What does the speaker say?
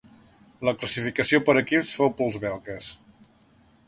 La classificació per equips fou pels belgues.